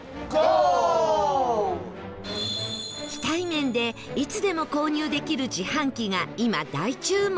非対面でいつでも購入できる自販機が今大注目